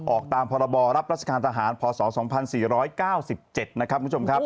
ออกตามพรบรับราชการทหารพศ๒๔๙๗นะครับคุณผู้ชมครับ